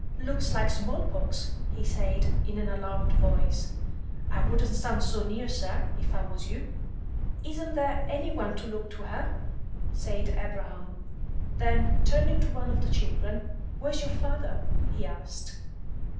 "Looks like small pox," he said, in an alarmed voice. "I wouldn't stand so near, sir, if I was you." "Isn't there any one to look to her?" said Abraham. Then turning to one of the children, "Where's your father?" he asked.